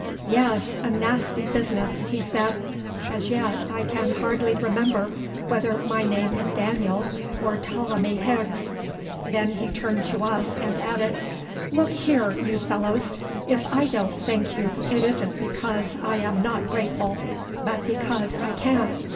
"Yes, a nasty business," he said, "as yet I can hardly remember whether my name is Daniel, or Ptolemy Higgs." Then he turned to us and added, "Look here, you fellows, if I don't thank you it isn't because I am not grateful, but because I can't.